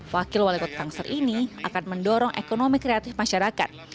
wakil wali kota tangsel ini akan mendorong ekonomi kreatif masyarakat